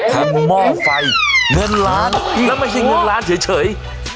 หม้อไฟเงินล้านแล้วไม่ใช่เงินล้านเฉย